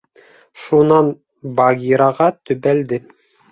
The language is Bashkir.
Шунан Багираға төбәлде.